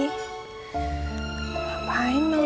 selamat mengalami kamu